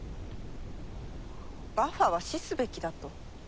バッファは死すべきだと？